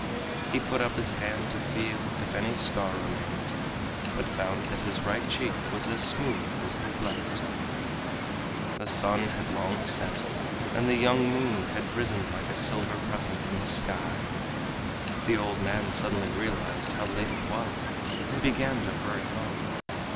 He put up his hand to feel if any scar remained, but found that his right cheek was as smooth as his left. The sun had long set, and the young moon had risen like a silver crescent in the sky. The old man suddenly realized how late it was and began to hurry home.